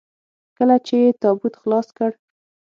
کله چې يې تابوت خلاص کړ.